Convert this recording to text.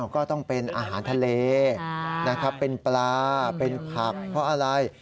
ก็ต้องเป็นอาหารทะเลนะครับเป็นปลาเป็นผักเพราะอะไร